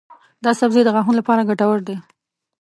دا سبزی د غاښونو لپاره ګټور دی.